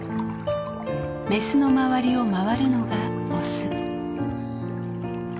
メスの周りを回るのがオス。